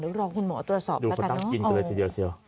เดี๋ยวรอคุณหมอตรวจสอบแล้วกันเนอะโอ้โฮดูคนตั้งกินกันเลยทีเดียว